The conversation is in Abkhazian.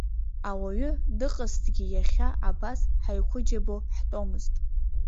Ауаҩы дыҟазҭгьы иахьа абас ҳаиқәыџьабо ҳтәомызт.